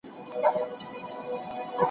ماشینونه حرکت تعقیبوي.